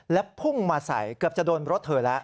และพุ่งมาใส่เกือบจะโดนรถเธอแล้ว